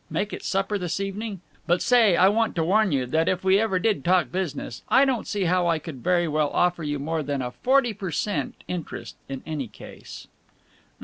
Make it supper this evening. But, say, I want to warn you that if we ever did talk business, I don't see how I could very well offer you more than a forty per cent. interest, in any case."